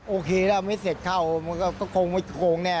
โอเคถ้าไม่เสร็จเข้ามันก็คงไม่โครงแน่